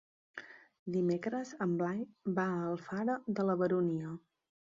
Dimecres en Blai va a Alfara de la Baronia.